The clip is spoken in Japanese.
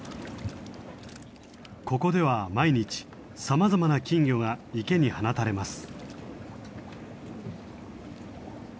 ここでは毎日さまざまな金魚が池に放たれます。